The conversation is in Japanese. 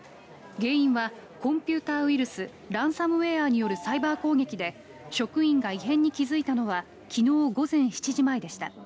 原因はコンピューターウイルスランサムウェアによるサイバー攻撃で職員が異変に気付いたのは昨日午前７時前でした。